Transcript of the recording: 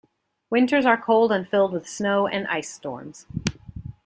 Winters are cold and filled with snow and ice storms.